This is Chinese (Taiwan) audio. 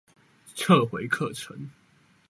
撤回課程